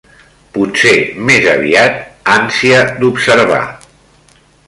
Potser més aviat ànsia d'observar.